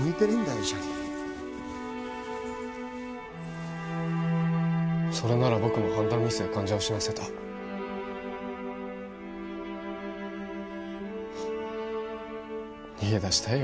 医者にそれなら僕も判断ミスで患者を死なせた逃げ出したいよ